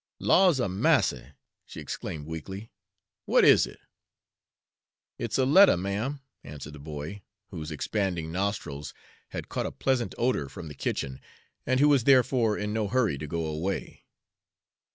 "Laws a massy!" she exclaimed weakly, "what is it?" "It's a lettuh, ma'm," answered the boy, whose expanding nostrils had caught a pleasant odor from the kitchen, and who was therefore in no hurry to go away.